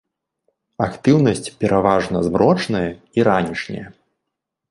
Актыўнасць пераважна змрочная і ранішняя.